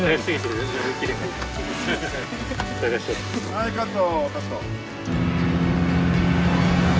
・はいカット！